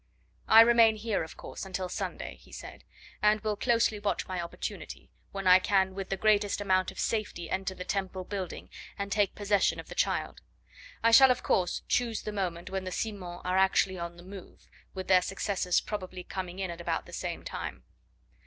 "I remain here, of course, until Sunday," he said, "and will closely watch my opportunity, when I can with the greatest amount of safety enter the Temple building and take possession of the child. I shall, of course choose the moment when the Simons are actually on the move, with their successors probably coming in at about the same time.